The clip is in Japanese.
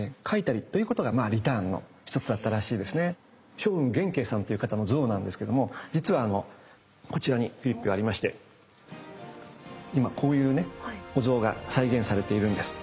松雲元慶さんという方の像なんですけども実はあのこちらにフリップがありまして今こういうねお像が再現されているんです。